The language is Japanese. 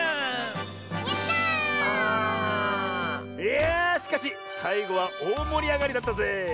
いやあしかしさいごはおおもりあがりだったぜえ。